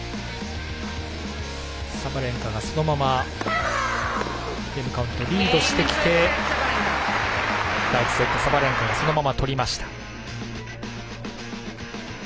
サバレンカがそのままゲームカウントリードしてきて第１セット、サバレンカがそのまま取りました。